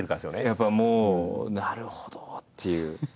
やっぱもうなるほどっていう。